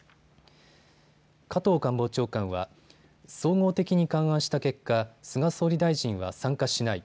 加藤官房長官は総合的に勘案した結果、菅総理大臣は参加しない。